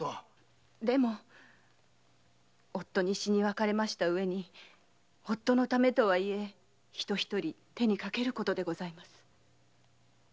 でも夫に死に別れたうえに夫のためとはいえ人一人手に掛けることでございます。